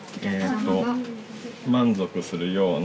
満足するような。